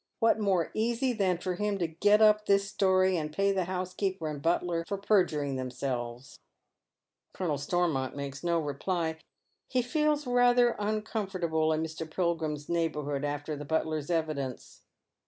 What more easy than for him to get up this story, and pay the housekeeper and butler for per juring themselves ?" Colonel Stormont makes no reply. He feels rather uncom fortable in Mr. Pilgrim's neighbourhood after the butler^s evidence.